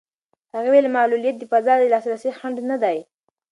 هغې وویل معلولیت د فضا د لاسرسي خنډ نه دی.